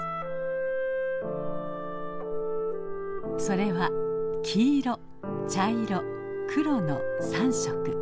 それは「黄色」「茶色」「黒」の３色。